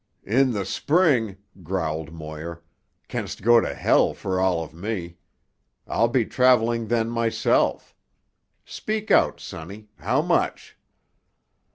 "In the Spring," growled Moir, "canst go to —— for all of me. I'll be travelling then myself. Speak out, sonny. How much?"